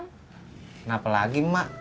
kenapa lagi emak